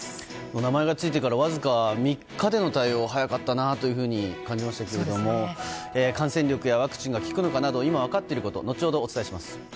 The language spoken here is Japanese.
名前がついてからわずか３日での対応は早かったなというふうに感じましたけれども感染力やワクチンが効くのかなど今、分かっていること後ほど、お伝えします。